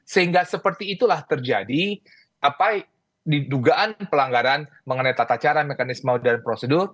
sehingga seperti itulah terjadi didugaan pelanggaran mengenai tata cara mekanisme dan prosedur